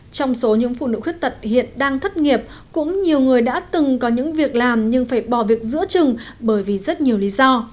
trong số những phụ nữ khuyết tật hiện đang thất nghiệp cũng nhiều người đã từng có những việc làm nhưng phải bỏ việc giữa chừng bởi vì rất nhiều lý do